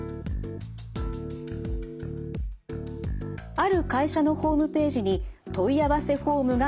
ある会社のホームページに問い合わせホームがなかった。